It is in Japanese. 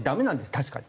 確かに。